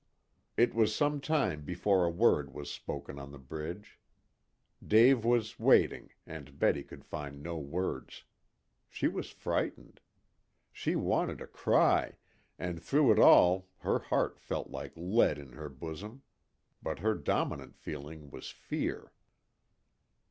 It was some time before a word was spoken on the bridge. Dave was waiting, and Betty could find no words. She was frightened. She wanted to cry, and through it all her heart felt like lead in her bosom. But her dominant feeling was fear.